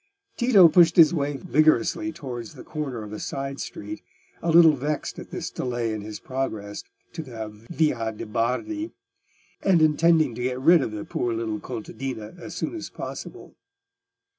Tito pushed his way vigorously towards the corner of a side street, a little vexed at this delay in his progress to the Via de' Bardi, and intending to get rid of the poor little contadina as soon as possible.